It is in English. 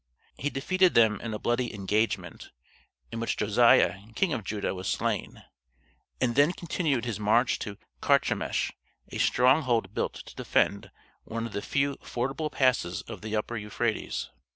He defeated them in a bloody engagement, in which Josiah, King of Judah, was slain, and then continued his march to Carchemish, a stronghold built to defend one of the few fordable passes of the upper Euphrates.